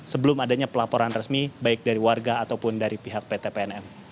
sebelum adanya pelaporan resmi baik dari warga ataupun dari pihak pt pnm